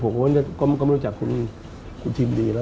ผมเองกับคุณอุ้งอิ๊งเองเราก็รักกันเหมือนน้อง